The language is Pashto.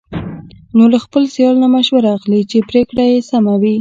نو له خپل سیال نه مشوره اخلي، چې پرېکړه یې سمه وي.